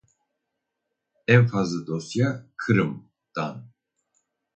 En fazla dosya Kırım dan.